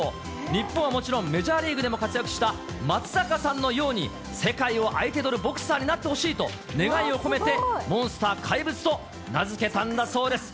日本はもちろん、メジャーリーグでも活躍した松坂さんのように世界を相手取るボクサーになってほしいと、願いを込めてモンスター、怪物と名付けたんだそうです。